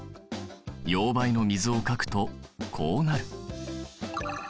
溶媒の水を書くとこうなる。